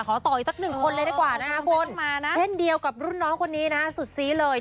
ขอต่ออีกสักหนึ่งคนเลยดีกว่านะคะคุณเช่นเดียวกับรุ่นน้องคนนี้นะฮะสุดซีเลย